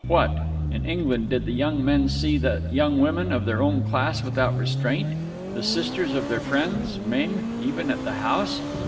What! In England did the young men see the young women of their own class without restraint the sisters of their friends même even at the house?